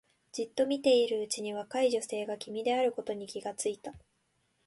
じっと見ているうちに若い女性が君であることに気がついた